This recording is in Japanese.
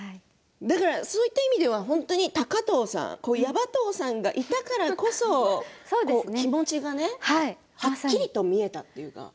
そういう意味では高藤さんヤバ藤さんがいたからこそ気持ちがねはっきりと見えたというか。